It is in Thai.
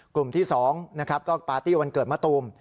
กลุ่มที่๒ก็ปาร์ตี้วันเกิดมัตตูม